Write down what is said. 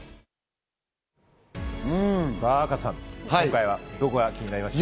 さぁ加藤さん、今回はどこが気になりました？